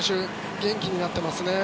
元気になってますね。